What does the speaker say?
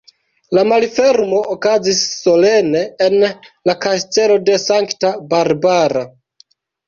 La malfermo okazis solene en la Kastelo de Sankta Barbara.